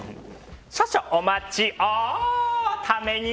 少々お待ちを。